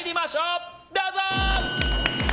どうぞ！